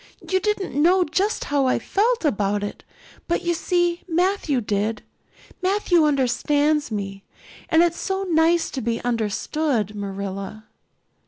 You didn't know just how I felt about it, but you see Matthew did. Matthew understands me, and it's so nice to be understood, Marilla."